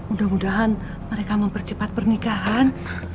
mudah mudahan mereka mempercepat pernikahan